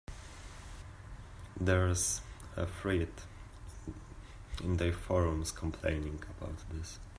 There's a thread in their forums complaining about this.